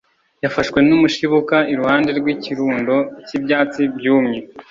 yafashwe n’umushibuka iruhande rw’ikirundo cy’ibyatsi byumye.